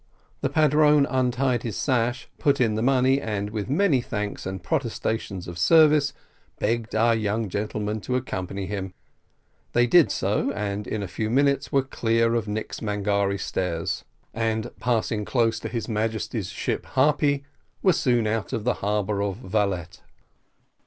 The padrone untied his sash, put in the money, and with many thanks and protestations of service, begged our young gentlemen to accompany him: they did so, and in a few minutes were clear of Nix Mangare stairs, and, passing close to his Majesty's ship _Harpy, _were soon out of the harbour of Vallette.